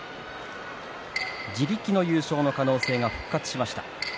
自力の優勝の可能性が復活しました。